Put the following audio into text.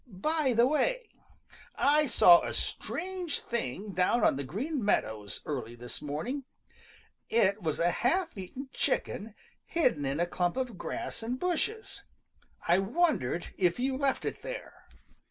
By the way, I saw a strange thing down on the Green Meadows early this morning. It was a half eaten chicken hidden in a clump of grass and bushes. I wondered if you left it there."